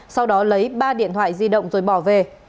sau đó lấy ba điện thoại di động rồi bỏ về